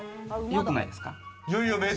よくないですか？